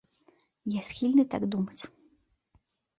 Я схільны так думаць.